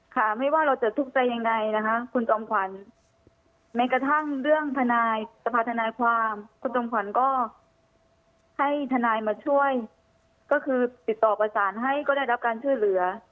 ค่ะไม่ว่าเราจะทุกข์ใจยังไงนะคะคุณจอมขวัญแม้กระทั่งเรื่องทนายสภาธนายความคุณจอมขวัญก็ให้ทนายมาช่วยก็คือติดต่อประสานให้ก็ได้รับการช่วยเหลือ